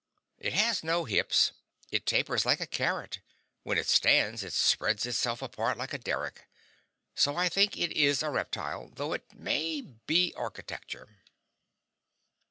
It has no hips; it tapers like a carrot; when it stands, it spreads itself apart like a derrick; so I think it is a reptile, though it may be architecture.